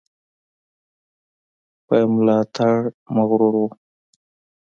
په ملاتړ مغرور وو.